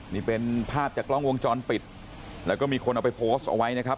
นี่เป็นภาพจากกล้องวงจรปิดแล้วก็มีคนเอาไปโพสต์เอาไว้นะครับ